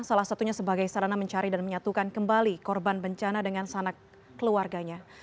salah satunya sebagai sarana mencari dan menyatukan kembali korban bencana dengan sanak keluarganya